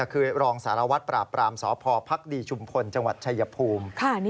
คือรองสารวัตรปราบปรามสพภักดีชุมพลจังหวัดชายภูมิ